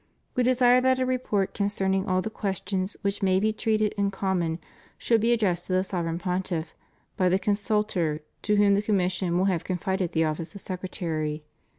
We desire that a report concerning all the questions which may be treated in common should be addressed to the Sovereign Pontiff by the consultor, to whom the commission will have confided the office of secretary.